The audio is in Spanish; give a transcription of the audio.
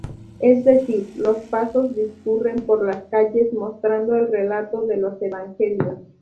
Es decir, los pasos discurren por las calles mostrando el relato de los evangelios.